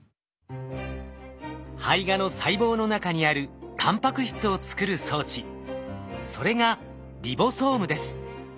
胚芽の細胞の中にあるタンパク質を作る装置それがリボソームです。